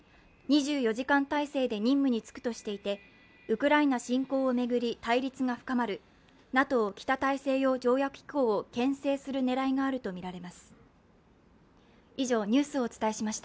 ２４時間体制で任務に就くとしていてウクライナ侵攻を巡り、対立が深まるＮＡＴＯ＝北大西洋条約機構を牽制する狙いがあるとみられます。